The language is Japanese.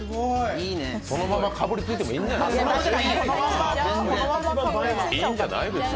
そのままかぶりついてもいいんじゃないですか？